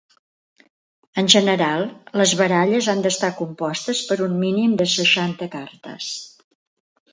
En general, les baralles han d'estar compostes per un mínim de seixanta cartes.